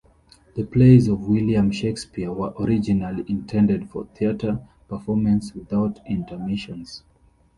The plays of William Shakespeare were originally intended for theatre performance without intermissions.